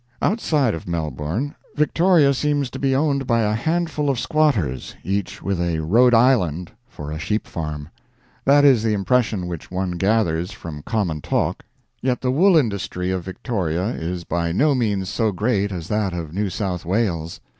Outside of Melbourne, Victoria seems to be owned by a handful of squatters, each with a Rhode Island for a sheep farm. That is the impression which one gathers from common talk, yet the wool industry of Victoria is by no means so great as that of New South Wales.